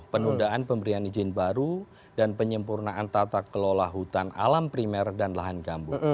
penundaan pemberian izin baru dan penyempurnaan tata kelola hutan alam primer dan lahan gambut